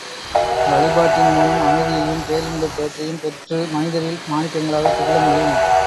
வழிபாட்டின் மூலம் அமைதியையும் பேரின்பப் பேற்றையும் பெற்று மனிதரில் மாணிக்கங்களாகத் திகழ முடியும்.